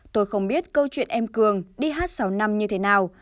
tôi không biết câu chuyện em cường đi hát sáu năm như thế nào